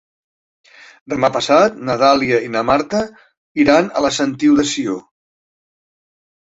Demà passat na Dàlia i na Marta iran a la Sentiu de Sió.